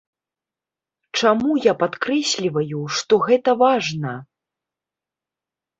Чаму я падкрэсліваю, што гэта важна?